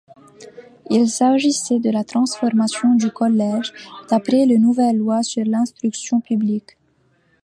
Il s'agissait de la transformation du collège, d'après les nouvelles lois sur l'instruction publique.